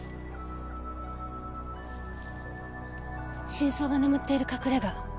真相が眠っている隠れが。